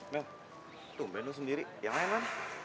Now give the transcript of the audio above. mel tuh menu sendiri yang lain mana